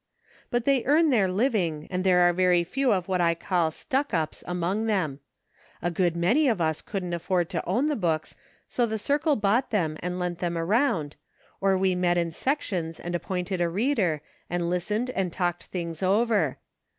But they earn their living, and there are very few of what I call * stuck ups ' among them. A good many of us couldn't afford to own the books so the circle bought them and lent them around, or we met in sections and appointed a reader, and listened and talked things over.